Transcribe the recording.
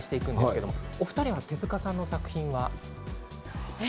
お二人は手塚さんの作品は？